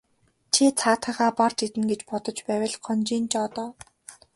Чи цаадхыгаа барж иднэ гэж бодож байвал гонжийн жоо доо.